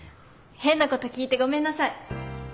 変なこと聞いてごめんなさい。